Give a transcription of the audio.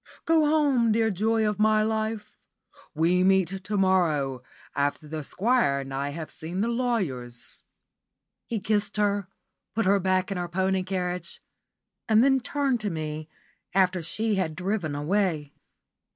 Go home, dear joy of my life! We meet to morrow, after the Squire and I have seen the lawyers." He kissed her, put her back in her pony carriage, and then turned to me, after she had driven away.